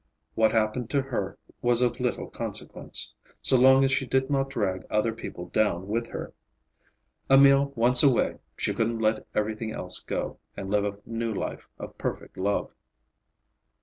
What happened to her was of little consequence, so long as she did not drag other people down with her. Emil once away, she could let everything else go and live a new life of perfect love.